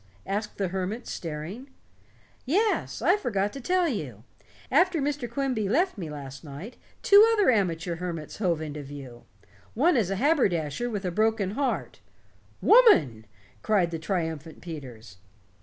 asked the hermit, staring. "Yes. I forgot to tell you. After Mr. Quimby left me last night, two other amateur hermits hove in view. One is a haberdasher with a broken heart " "Woman," cried the triumphant Peters.